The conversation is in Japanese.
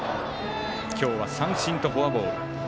今日は三振とフォアボール。